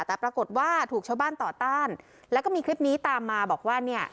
แต่ปรากฏว่าถูกชาวบ้านต่อต้านแล้วก็มีคลิปนี้ตามมาบอกว่าเนี่ย